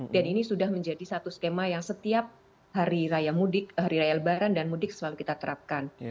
dan ini sudah menjadi satu skema yang setiap hari raya mudik hari raya lebaran dan mudik selalu kita terapkan